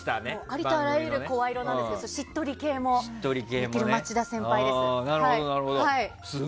ありとあらゆる声色なんですけどしっとり系もできる町田先輩です。